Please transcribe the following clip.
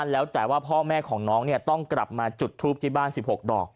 แล้วแต่ว่าพ่อแม่ของน้องต้องกลับมาจุดทูปที่บ้าน๑๖ดอก